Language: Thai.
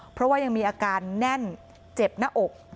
เพราะว่ายังมีอาการแน่นเจ็บหน้าอก